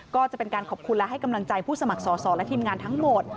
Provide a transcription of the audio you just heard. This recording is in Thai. ก็จะเป็นการขอบคุณและให้กำลังใจผู้สมัครสอสอและทีมงานทั้งหมด